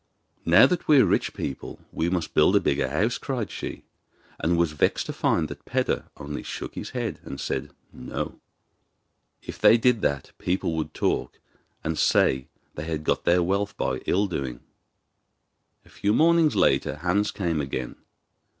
'Now that we are rich people we must build a bigger house,' cried she; and was vexed to find that Peder only shook his head and said: 'No; if they did that people would talk, and say they had got their wealth by ill doing.' A few mornings later Hans came again.